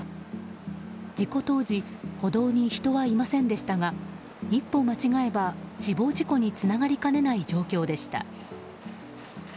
事故当時歩道に人はいませんでしたが一歩間違えば死亡事故につながりかねない状況でした。